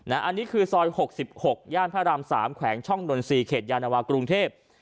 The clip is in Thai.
อันนี้คือซอย๖๖ย่านพระราม๓แขวงช่องนนทรีย์เขตยานวากรุงเทพ